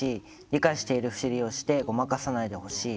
理解しているふりをしてごまかさないでほしい」。